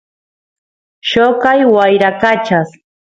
lloqay wyrakachas